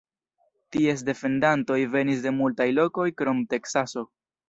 Ties defendantoj venis de multaj lokoj krom Teksaso.